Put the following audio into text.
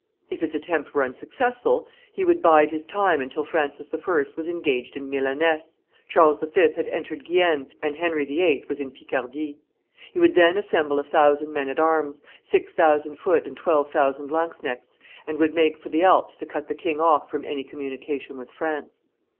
If his attempt were unsuccessful, be would bide his time until Francis I. was engaged in Milaness, Charles V. had entered Guienne, and Henry VIII. was in Picardy: he would then assemble a thousand men at arms, six thousand foot and twelve thousand lanzknechts, and would make for the Alps to cut the king off from any communication with France.